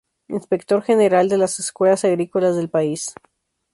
Inspector general de las escuelas agrícolas del país.